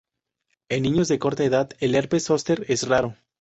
En niños de corta edad, el herpes zóster es raro.